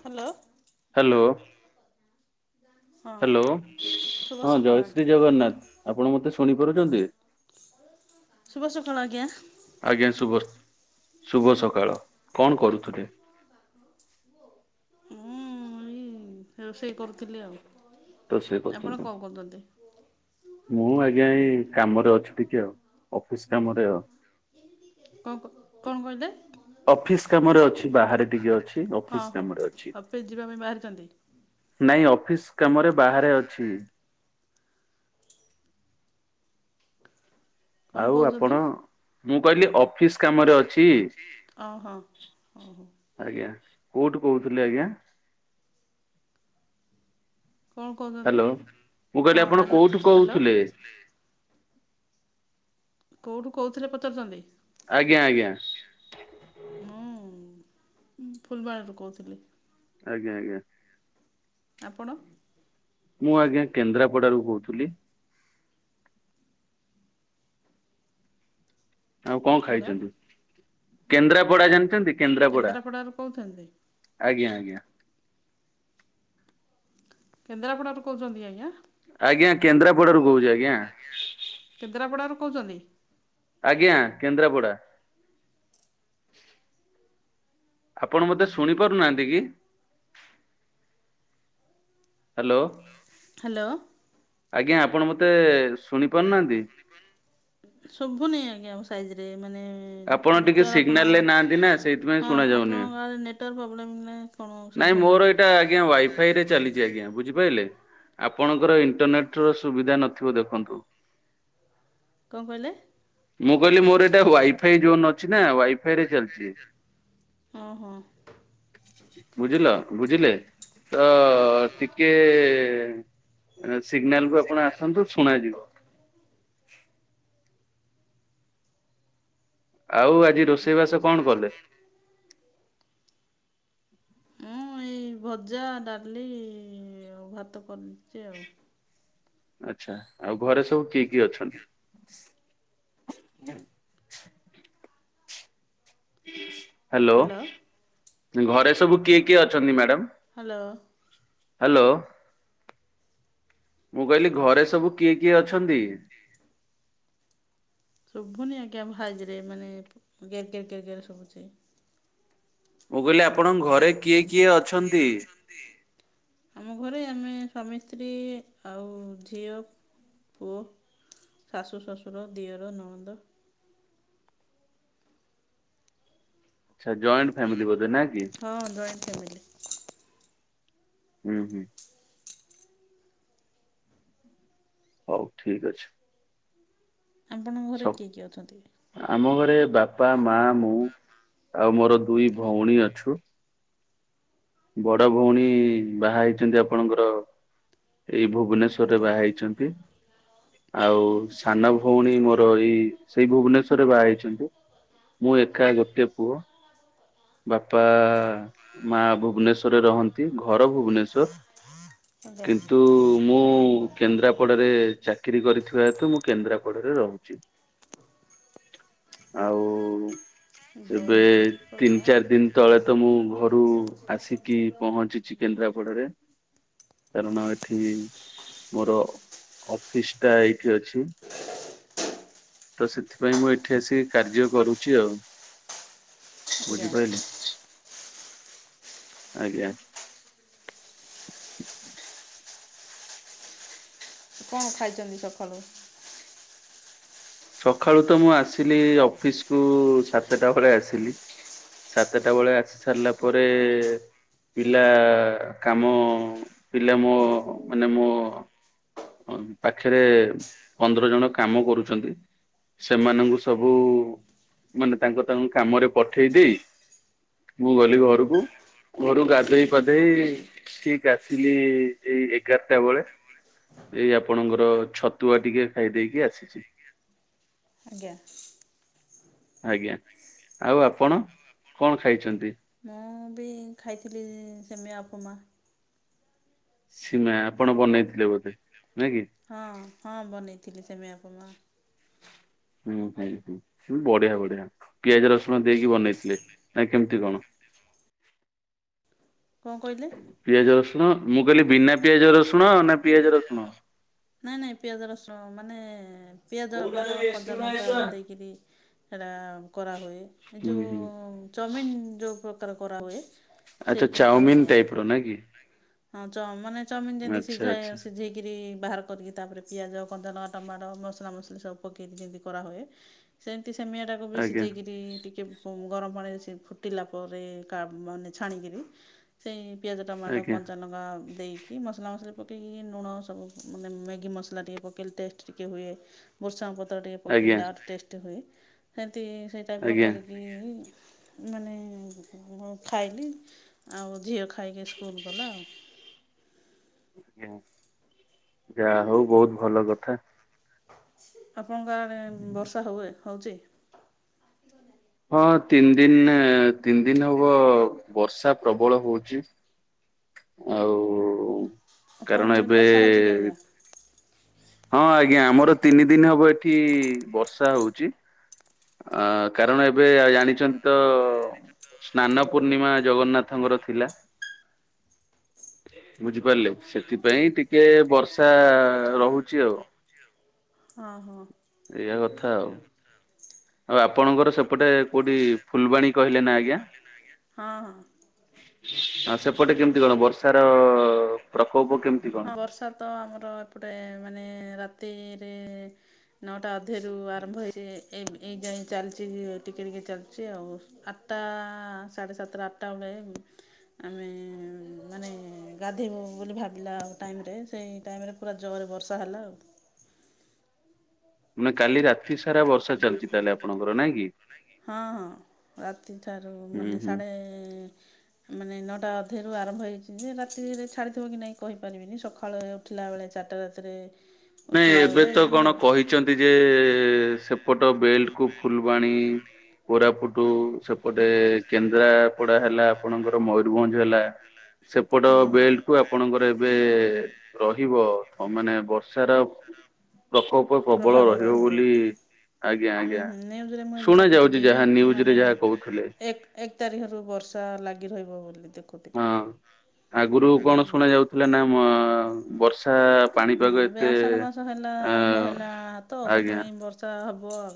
Hello. Hello ହଁ hello. ଶୁଭ ହଁ ସକାଳ ଜୟ ଆଜ୍ଞା। ଶ୍ରୀ ଜଗନ୍ନାଥ ଆପଣ ମତେ ଶୁଣିପାରୁଛନ୍ତି। ଶୁଭ ସକାଳ ଆଜ୍ଞା। ଆଜ୍ଞା ଶୁଭ ଶୁଭ ସକାଳ କଣ କରୁଥିଲେ? ମୁଁ ରୋଷେଇ କରୁଥିଲି ଆଉ ରୋଷେଇ ଆପଣ କରୁଛନ୍ତି କଣ କରୁଛନ୍ତି? ମୁଁ ଆଜ୍ଞା ଏଇ କାମରେ ଅଛି ଟିକେ ଆଉ ଅଫିସ୍ କାମରେ ଆଉ। କ କ କଣ କହିଲେ? ଅଫିସ୍ କାମରେ ଅଛି ବାହାରେ ଟିକେ ଅଛି ହଁ ଅଫିସ୍ ହଉ କାମରେ ଅଛି। ଅଫିସ୍ ଯିବା ପାଇଁ ବାହାରିଛନ୍ତି ନାଇଁ ଅଫିସ୍ କାମରେ ବାହାରେ ଅଛି। କଣ ଆଉ ଆପଣ ମୁଁ କହିଲି ଅଫିସ୍ ଅ ହ ଓହୋ। ଆଜ୍ଞା କୋଉଠୁ କହୁଥିଲେ ଆଜ୍ଞା? କଣ କହୁଛନ୍ତି? ହ୍ୟାଲୋ ମୁଁ କହିଲି ହଁ ଆପଣ ହ୍ୟାଲୋ କୋଉଠୁ ହ୍ୟାଲୋ କହୁଥିଲେ? କୋଉଠୁ କହୁଥିଲେ ପଚାରୁଚନ୍ତି। ଆଜ୍ଞା ଆଜ୍ଞା। ମୁଁ ଫୁଲବାଣିରୁ କହୁଥିଲି। ଆଜ୍ଞା ଆଜ୍ଞା। ଆପଣ? ମୁଁ ଆଜ୍ଞା କେନ୍ଦ୍ରାପଡାରୁୁ କହୁଥିଲି। ଆଉ କଣ ହ୍ୟାଲୋ ଖାଇଛନ୍ତି କେନ୍ଦ୍ରାପଡା ଜାଣିଛନ୍ତି କେନ୍ଦ୍ରାପଡା? କେନ୍ଦ୍ରାପଡ଼ାରୁ କହୁଛନ୍ତି ଆଜ୍ଞା ଆଜ୍ଞା। କେନ୍ଦ୍ରାପଡା ରୁ କହୁଛନ୍ତି ଆଜ୍ଞା। ଆଜ୍ଞା କେନ୍ଦ୍ରାପଡାରୁ କହୁଚି। କେନ୍ଦ୍ରାପଡା ରୁ କହୁଚନ୍ତି। ଆଜ୍ଞା କେନ୍ଦ୍ରାପଡ଼ା। ଆପଣ ମୋତେ ଶୁଣିପାରୁନାହାନ୍ତି କି? ହ୍ୟାଲୋ। ହ୍ୟାଲୋ। ଆଜ୍ଞା ଆପଣ ମତେ ଶୁଣି ପାରୁନାହାନ୍ତି। ସବୁ ନାଇଁ ଆଜ୍ଞା ଆମ ସାଇଜ ରେ ମାନେ ଆପଣ ଟିକେ ନେଟୱାର୍କ ସିଗ୍ନାଲ ରେ ନାହାନ୍ତି ନା ଆପଣଙ୍କ ସେଇଥିପାଇଁ ଶୁଣା ହଁ ଯାଉନି। ଆପଣଙ୍କ ଆଡ଼େ ନେଟୱାର୍କ ପ୍ରୋବ୍ଲେମ୍ ନା କଣ ନାଇଁ ଶୁଭୁନି ମୋର ଏଇଟା ଆଜ୍ଞା ୱାଇଫାଇ ରେ ଚାଲିଛି ଆଜ୍ଞା ବୁଝିପାରିଲେ। ଆପଣଙ୍କର ଇଣ୍ଟରନେଟ ର ସୁବିଧା ନଥିବ ଦେଖନ୍ତୁ। କଣ କହିଲେ? ମୁଁ କହିଲି ମୋର ଏଇଟା ୱାଇଫାଇ ଜୋନ ଅଛି ନା ୱାଇ ୱାଇଫାଇ ରିଚାର୍ଜ ହ ହ। ବୁଝିଲ ବୁଝିଲେ। ତ ଟିକେ ସିଗ୍ନାଲ କୁ ଆପଣ ଆସନ୍ତୁ ଶୁଣାଯିବ। ଆଉ ଆଜି ରୋଷେଇ ସେଇ [unintelligible] ମୁଁ ଏଇ ଭଜା ଡାଲି ଭାତ କରୁଛି ଆଉ। ଆଚ୍ଛା ଆଉ ଘରେ ସବୁ କିଏ କିଏ ଅଛନ୍ତି? ହ୍ୟାଲୋ ଘରେ ସବୁ କିଏ କିଏ ଅଛନ୍ତି ମ୍ୟାଡାମ? ହ୍ୟାଲୋ ହ୍ୟାଲୋ ମୁଁ କହିଲି ଘରେ ସବୁ କିଏ କିଏ ଅଛନ୍ତି? ଶୁଭୁନି ଆଜ୍ଞା ଭାଏଜରେ ମାନେ ଗେଁ କେଁ କେଁ କେଁ ହେରା ଶୁଭୁଛି। ମୁଁ କହିଲି ଆପଣଙ୍କ ଘରେ କିଏ କିଏ ଅଛନ୍ତି? ଆମ ଘରେ ଆମେ ସ୍ୱାମୀ ସ୍ତ୍ରୀ ଆଉ ଝିଅ ପୁଅ, ଶାଶୁ, ଶଶୁର, ଦିଅର, ନଣନ୍ଦ। ଆଚ୍ଛା ଫ୍ୟାମିଲି ଜଏଣ୍ଟ, ବୋଧେ ନା କି? ହଁ ଜଏଣ୍ଟ ଫାମିଲି। ହୁଁ ହୁଁ। ହଉ ଠିକ ଅଛି। ଆପଣଙ୍କ ଘରେ ସବୁ କିଏ କିଏ ଅଛନ୍ତି? ଆମ ଘରେ ବାପା ମା ମୁଁ ଆଉ ମୋର ଦୁଇ ଭଉଣୀ ଅଛୁ। ବଡ ଭଉଣୀ ବାହା ହେଇଛନ୍ତି ଆପଣଙ୍କର ଏଇ ଭୁବନେଶ୍ଵରରେ ଆଜ୍ଞା ବାହା ହେଇଛନ୍ତି। ଆଉ ସାନ ଭଉଣୀ ମୋର ଏଇ ଏଇ ଭୁବନେଶ୍ଵରରେ ବାହା ହେଇଛନ୍ତି। ମୁଁ ଏକାରା ଗୋଟିଏ ପୁଅ। ବାପା ମା ଭୁବନେଶ୍ଵରରେ ରହନ୍ତି ଘର ଭୁବନେଶ୍ଵର। [unintelligible] କିନ୍ତୁ ମୁଁ କେନ୍ଦ୍ରାପଡ଼ାରେ ଚାକିରି କରିଥିବା ହେତୁ ମୁଁ କେନ୍ଦ୍ରାପଡ଼ାରେ ରହୁଛି। ଆଉ ଏବେ ବଇନ୍ ଚମ୍ପା ତିନି ଚାରି ଦିନ ତଳେ ତ ମୁଁ ଘରୁ ଆସିକି ପହଞ୍ଚିଛି। କେନ୍ଦ୍ରାପଡାରେ କାରଣ ଏଠି ମୋର ଅଫିସ ଟା ଏଇଠି ଅଛି। ତ ସେଥିପାଇଁ ମୁଁ ଏଠି ଆସିିକି କାର୍ଯ୍ୟ କରୁଛି ଆଉ। ଆଜ୍ଞା ବୁଝିପାଇଲେ। ଆଜ୍ଞା କଣ ଖାଇଛନ୍ତି ସକାଳୁ? ସକାଳୁ ତ ମୁଁ ଆସିଲି ଅଫିସକୁୁ ସାତଟା ବେଳେ ଆସିଲି। ସାତଟା ବେଳେ ଆସି ସାରିଲା ପରେ ପିଲା କାମ ପିଲା ମୋ ମାନେ ମୋ ପାଖରେ ପନ୍ଦର ଜଣ କାମ କରୁଛନ୍ତି। ସେମାନଙ୍କୁ ସବୁ ମାନେ ତାଙ୍କ ତାଙ୍କୁ କାମରେ ପଠେଇ ଦେଇ ମୁଁ ଗଲି ଘରକୁ। ଘରୁ ଗାଧୋଇ ପାଧେଇ ଠିକ ଆସିଲି ଏଇ ଏଗାରଟା ବେଳେ। ଏଇ ଆପଣଙ୍କର ଛତୁଆ ଟିକେ ଖାଇ ଦେଇକି ଆସିଛି। ଆଜ୍ଞା ଆଜ୍ଞା ଆଉ ଆପଣ କଣ ଖାଇଛନ୍ତି? ମୁଁ ବି ଖାଇଥିଲି ଇଁ ସେମେଇଁ ଉପମା। ସୀମେଇ ଆପଣ ବନେଇଥିଲେ ବୋଧେ ନୁହେଁ କି? ହଁ ହଁ ବନେଇଥିଲି ସିମେଇ ଉପମା। ହୁଁ ହୁଁ ବଢିଆ ବଢିଆ ପିଆଜ ରସୁଣ ଦେଇକି ବନେଇଥିଲେ ନା କେମିତି କଣ? କଣ କହିଲେ? ପିଆଜ ରସୁଣ ମୁଁ କହିଲି ବିନା ପିଆଜ ରସୁଣ ନା ପିଆଜ ରସୁଣ? ନାଇଁ ନାଇଁ ପିଆଜ ରସୁଣ ମାନେ ପିଆଜ ହୁଁ ଟମାଟ କଞ୍ଚା ଲଙ୍କା ଦେଇକରି ସେଇଟା କରାହୁଏ ଏ ହୁଁ ଯୋଉ ଚାଉମିିନ୍ ଯୋଉ ପ୍ରକାର କରାହୁଏ। ସେଇ ଆଚ୍ଛା ଚାଉମିନ୍ ପ୍ରକାର ଟାଇପ୍ ର ନା କି? ହଁ ଚ ମାନେ ଚଉମିନ୍ ଯେମିତି ଆଚ୍ଛା ସିଝା ଆଚ୍ଛା ସିଝେଇକିରି ବାହାର କରିକି ତାପରେ ପିଆଜ କଞ୍ଚାଳଙ୍କା ଟମାଟ ମସଲା ମସଲି ସବୁ ପକେଇକି ଯେମିତି କରାହୁଏ। ସେମିତି ସିମେଇଆ ଟାକୁ ବି ଆଜ୍ଞା ସିଝେଇକରି ଟିକେ ଗରମ ପାଣିରେ ସେ ଫୁଟିଲା ପରେ କା ମାନେ ଛାଣିକିରି ସେଇ ପିଆଜ ଟମାଟୋ ଆଜ୍ଞା କଞ୍ଚା ଲଙ୍କା ଦେଇକି ମସଲା ମସଲି ପକେଇକି ଲୁଣ ସବୁ ମାନେ ମ୍ୟାଗି ମସଲା ଟିକେ ପକେଇଲେ ଟେଷ୍ଟ ଟିକିଏ ହୁଏ ବୃଷଙ୍ଗ ପତ୍ର ଟିକେ ଆଜ୍ଞା ପକେଇଲେ ଆଉ ଟେଷ୍ଟ ହୁଏ ସେମିତି ସେଇ ଟାଇପ୍ ର ଆଜ୍ଞା। କରିକି ମାନେ ମୁଁ ଖାଇଲି ଆଉ ଝିଅ ଖାଇକି ସ୍କୁଲ ଗଲା ଆଉ। ଆଜ୍ଞା ଯାହା ହଉ ବହୁତ ଭଲ କଥା। ଆପଣଙ୍କଡେ ବର୍ଷା ହୁଏ ହଉଚି? ହଁ ତିନି ଦିନ ନେ ତିନି ଦିନ ହବ ବର୍ଷା ପ୍ରବଳ ହଉଚି। ଆଉ କାରଣ ଆପଣଙ୍କ ଆଡ଼େ ଏବେ ବର୍ଷା ହେଉଛି କି ଆଜ୍ଞା ହଁ ଆଜ୍ଞା ଆମର ତିନି ଦିନ ହବ ଏଠି ବର୍ଷା ହଉଚି। ଆଁ କାରଣ ଏବେ ଆଉ ଜାଣିଚନ୍ତି ତ ସ୍ନାନ ପୂର୍ଣ୍ଣିମା ଜଗନ୍ନାଥଙ୍କର ଥିଲା। ବୁଝିପାରିଲେ ସେଥିପାଇଁ ଟିକେ ବର୍ଷା ରହୁଚି ଆଉ। ହଁ ହଁ। ଏଇଆ କଥା ଆଉ। ଆଉ ଆପଣଙ୍କର ସେପଟେ କୋଉଠି ଫୁଲବାଣୀ କହିଲେ ନା ଆଜ୍ଞା? ହଁ ହଁ। ଆଁ ସେପଟେ କେମିତି କଣ ବର୍ଷାର ଅ ପ୍ରକୋପ କେମ୍ ହଁ ବର୍ଷା ତ ଆମର ଏପଟେ ମାନେ ରାତି ରେ ନଅଟା ଅଧରୁ ଆରମ୍ଭ ହୋଇଚି ଏ ଏଇ ଯାଏଁ ଚାଲିଚି ଟିକିଏ ଟିକିଏ ଚାଲିଚି ଆଉ। ଆଠଟା ସାଢ଼େ ସାତଟା ଆଠଟା ବେଳେ ଆମେ ମାନେ ଗାଧେଇବୁ ବୋଲି ଭାବିଲାଳୁ ଟାଇମ୍ ରେ ସେଇ ଟାଇମ୍ ରେ ପୁରା ଜୋରରେ ବର୍ଷା ହେଲା ଆଉ। ଲି ରାତି ସାରା ବର୍ଷା ଚାଲିଚି ତାହେଲେ ଆପଣଙ୍କର ନା କି? ହଁ ହଁ ରାତିଠାରୁ ହୁଁ ମାନେ ହୁଁ ସାଢ଼େ ମାନେ ନଅଟା ଅଧେରୁ ଆରମ୍ଭ ହୋଇଇଚି ଯେ ରାତିରେ ଛାଡ଼ିଥିବ କି ନାହିଁ କହିପାରିବିନି ସକାଳ ଉଠିଲା ବେଳେ ଚାରିଟା ରାତିରେ ନାଇଁ ଉଠିଲା ଏବେ ବେଳେ ତ ବି ହେଉଛି କଣ କହିଚନ୍ତ ନ୍ତି ଯେ ସେପଟ ବେଲ୍ଟ କୁ ଫୁଲବାଣୀ କୋରାପୁଟୁ ସେ ପଟେ କେନ୍ଦ୍ରାପଡା ହେଲା ଆପଣଙ୍କର ମୟୂରଭଞ୍ଜ ହେଲା। ସେପଟ ହଁ ହଁ ବେଲ୍ଟ କୁ ଆପ ଆପଣଙ୍କର ଏବେ ରହିବ, ମାନେ ବର୍ଷାର ପ୍ରକୋପ ପ୍ରବଳ ରହିବ ବୋଲି ଆଜ୍ଞା ହୁଁ ଆଜ୍ଞା ହୁଁ, ନିୟୁଜରେ ମୁଁ ବି ଶୁଣା ଯାଉଛି ଦେଖୁଥିଲି, ଯାହା ନ୍ୟୁଜ ମାନେ ରେ ଯାହା କହୁଥିଲେ ଏକ ଏକ ତାରିଖରୁ ବର୍ଷା ଲାଗି ରହିବ ବୋଲି ଦେଖ ହଁ, ଆଗରୁ କଣ ଶୁଣା ଯାଉଥିଲା, ନା ମ ବର୍ଷା ହଁ, ପାଣିପାଗ ଏବେ ଏତେ ଆଷାଢ଼ ମାସ ହେଲା ଅ ଆରମ୍ଭ ହେଲା ତ, ଆଜ୍ଞା ସେଥିପାଇଁ ବର୍ଷା ହବ ଆଉ,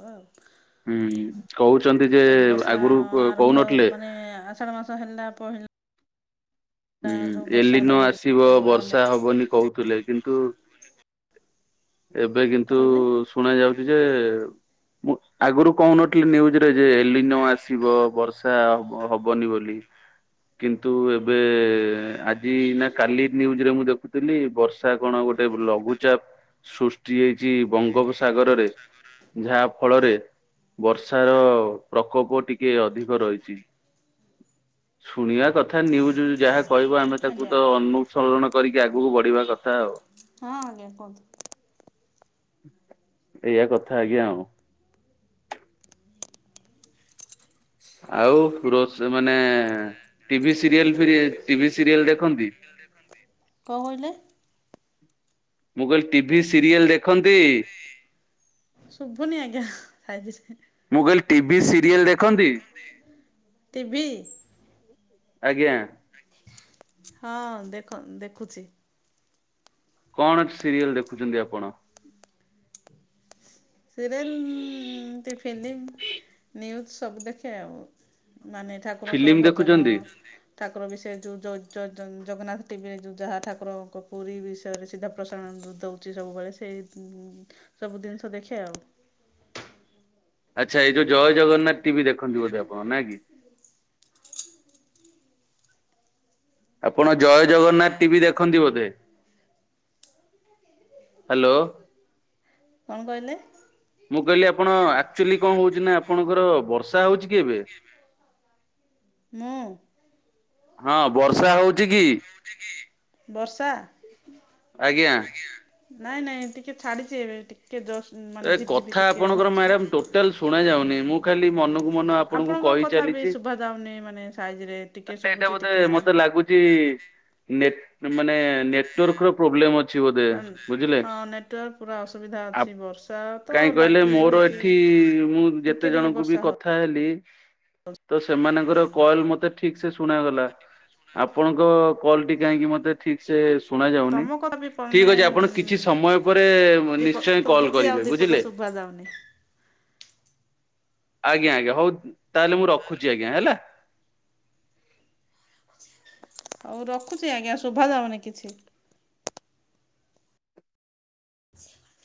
ହୁଁ ହବ କହୁଛନ୍ତି ଯେ ଆଉ- ଏ ବର୍ଷା ଆଗରୁ କ- ଆରମ୍ଭ କହୁନଥିଲେ ମାନେ ଆଷାଢ ମାସ ହେଲା ପହିଲା ହୁଁ, ଯୋଉ ବର୍ଷା ଏଲିିନୋ ଆରମ୍ଭ ଆସିବ, କଣ ବର୍ଷା ହବନି କହୁଥିଲେ, କିନ୍ତୁ ଏବେ କିନ୍ତୁ କହିଲେ ଶୁଣା ଯାଉଚି ଯେ କି ନ୍ୟୁଜରେ ଯେ, ଏଲିନୋ ଆସିବ, ବର୍ଷା ହବନି ବୋଲି କିନ୍ତୁ ଏବେ ଆଜି ନା କାଲି ନ୍ୟୁଜରେ ମୁଁ ଦେଖୁଥିଲି ବର୍ଷ ର୍ଷା କଣ ଗୋଟେ ଲଘୁଚାପ ସୃଷ୍ଟି ହେଇଚି ବଙ୍ଗୋପସାଗରରେ, ଯାହା ଫଳରେ ବର୍ଷାର ପ୍ରକୋପ ଟିକେ ଅଧିକ ରହିଚି। ଶୁଣିବା କଥା, ନ୍ୟୁଜ ଯାହା କହିବ ଆମେ ତାକୁ ଆଜ୍ଞା। ତ ଅନୁସରଣ କରିକି ଆଗକୁ ବଢି ବଢିବା କଥା ଆଉ ହଁ ଆଜ୍ଞା, କୁହନ୍ତୁ? ଏଇଆ କଥା ଆଜ୍ଞା ଆଉ। ଆଉ ରୋଷ୍ ମାନେ, ଟିଭି ସିରିଏଲ୍ ଫିରି ଟିଭି ସିରିଏଲ୍ ଦେଖନ୍ତି? [unintelligible] ଦେଖନ୍ତି? କଣ କହିଲେ? ମୁଁ କହିଲି ଟିଭି ସିରିଏଲ୍ ଦେଖ୍ ଦେଖନ୍ତି? ମୁଁ କହିଲ ଟିଭି ସିରିଏଲ୍ ଦେଖନ୍ତି? ଟିଭି ଆଜ୍ଞା। ହଁ, ଦେଖ ଦେଖୁଚି। କଣ ସିରିଏଲ ଦେଖୁଚନ୍ତି ଆପଣ? ସିରିୟଲ୍, ଏମିତି ଫିଲିମ୍ ନିଉଜ୍ ସବୁ ଦେଖେ ଆଉ, ମାନେ ଠାକୁରଙ୍କର ଫିଲ୍ମ ଭଜନ ଦେଖୁଛନ୍ତି? ଠାକୁର ବିଷୟରେ ଯେଉଁ ଜ-ଜ-ଜ-ଜଗନ୍ନାଥ ଟିଭିରେ ଯେଉଁ ଯାହା ଠାକୁରଙ୍କ ପୁରୀ ବିଷୟରେ ସିଧା ପ୍ରସାରଣ ଦଉ ଚି ସବୁବେଳେ, ସେଇ ସବୁ ଜିନିଷ ଦେଖେ ଆଉ। ଆଛା, ଏଇ ଯୋଉ ଜୟ ଜଗନ୍ନାଥ ଟିଭି ଦେଖନ୍ତି ବୋଧେ ଆପଣ? ନାଁ କି। ଆପଣ ଜୟ ଜଗନ୍ନାଥ ଟିଭି ଦେଖନ୍ତି ବୋଧେ? ହାଲୋ। କଣ କହିଲେ? ମୁଁ କହିଲି ଆପଣ, ଆକ୍ଚୁଆଲି କଣ ହଉଚି ନା, ଆପଣଙ୍କର ବର୍ଷ ର୍ଷା ହଉଚି କି ଏବେ? ମୁଁ ହଁ ବର୍ଷା ହଉଚି କି? ହଉଚି କି? ଆଜ୍ଞା। ନାଇଁ ନାଇଁ ଟିକେ ଛାଡିଚି ଏବେ, ଟିକେ ଟିକେ ଜଷ୍ ଏ କଥା ଆପଣଙ୍କର ମ୍ୟାଡାମ୍ ଟୋଟାଲ ଶୁଣା ଯାଉନି, ମୁଁ ଖାଲି ମନକୁ ମନ ଆପଣଙ୍କୁ ଆପଣଙ୍କ କହି କଥା ବି ଚାଲିଚି, ଶୁଭା ଯାଉନି ମାନେ ସାଇଜରେ ଟିକେ ତାଲେ ଏଇଟା ଶୁଭୁଛି ବୋଧେ ଟିକେ ନାହିଁ। ମତେ ଲାଗୁ ଚି ମାନେ, ନେଟ୍ ମାନେ ନେଟ୍ ୱାର୍କ ର ପ୍ରୋବ୍ଲେମ ଅ ହାଁ -ହଁ ନେଟୱାର୍କ ପୁରା ଅସୁବିଧା ଅଛି ବର୍ଷା ତ କାଇଁ କହିଲେ ଲାଗି ମୋର ରହିଛି। ଏଠି ମୁଁ ଯେତେ ଟିକେ ଟିକେ ଜଣଙ୍କୁ ବି ବର୍ଷା ହଉ କଥା ହେଲି ତ ସେମାନଙ୍କର କଲ୍ ମତେ ଠିକ୍ ସେ ଶୁଣାଗଲା ଆପଣଙ୍କ କଲ୍ ଟି କାହିଁକି ମତେ ଠିକ୍ ସେ ଶୁଣ ଯାଉନି ତମ କଥା ବି ଠିକ୍ ମାନେ ଅଛି ଆପଣ କିଛି ସମୟ ପରେ ଦିପ ନିଶ୍ଚୟ କଲ୍ ଶୁଭୁଛି ଆଉ କରିବେ ଦିପଦ ବୁଝିଲେ ଶୁଭା ଯାଉନି। -ଆଜ୍ଞା ଆଜ୍ଞା ହଉ ତାହେଲେ ମୁଁ ରଖୁଚି ଆଜ୍ଞା ହେଲା। ହଉ ରଖୁଚି ଆଜ୍ଞା ଶୁଭାଯାଉନି କିଛି।